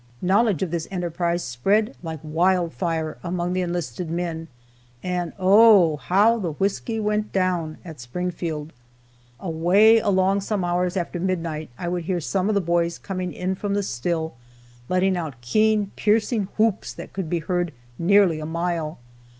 Knowledge of this enterprise spread like wild fire among the enlisted men, and oh, "how the whisky went down" at Springfield! Away along some hours after midnight, I would hear some of the boys coming in from the still, letting out keen, piercing whoops that could be heard nearly a mile.